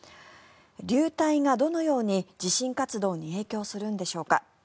流体がどのように地震活動に影響するんでしょうか。